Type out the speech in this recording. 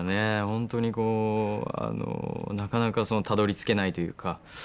本当になかなかたどりつけないというか。